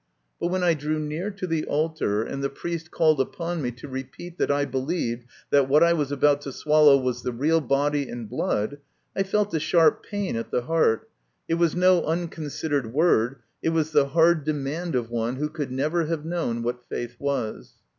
But when I drew near to the altar, and the priest called upon me to repeat that I believed that what I was about to swallow was the real body and blood, I felt a sharp pain at the heart ; it was no unconsidered word, it was the hard demand of one who could never have known what faith was.